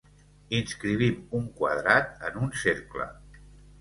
Inscrivim un quadrat en un cercle.